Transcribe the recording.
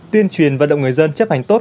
tuyên truyền vận động người dân chấp hành tốt